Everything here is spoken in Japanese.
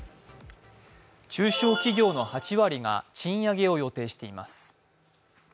中小企業の８割が賃上げを予定しています。